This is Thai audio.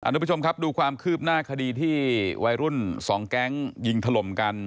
ทุกผู้ชมครับดูความคืบหน้าคดีที่วัยรุ่นสองแก๊งยิงถล่มกัน